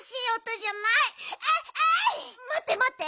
まってまって。